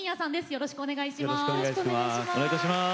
よろしくお願いします。